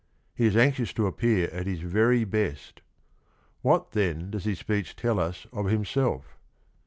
He is anxious to appear at his very best. What, then, does his speech tell us of himself?